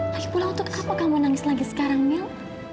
lagipula untuk apa kamu nangis lagi sekarang mil